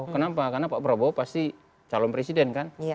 kenapa karena pak prabowo pasti calon presiden kan